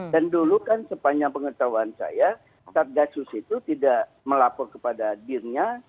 dan dulu kan sepanjang pengetahuan saya sergasus itu tidak melapor kepada dirnya